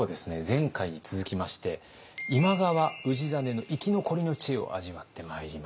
前回に続きまして今川氏真の生き残りの知恵を味わってまいります。